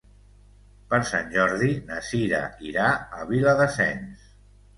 Per Sant Jordi na Cira irà a Viladasens.